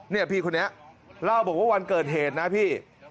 นี่พี่คนนี้เล่าบอกว่าวันเกิดเหตุนะพี่